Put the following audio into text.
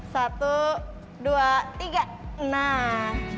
satu dua tiga nah